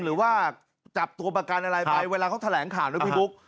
หรือว่าจับตัวประกานอะไรไปเวลาเขาแถลงข่านด้วยพิบุส